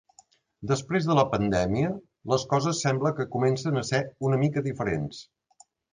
Després de la pandèmia, les coses sembla que comencen a ser una mica diferents.